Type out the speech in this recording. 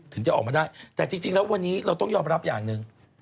ถึงจะออกมาได้แต่จริงแล้ววันนี้เราต้องยอมรับอย่างหนึ่ง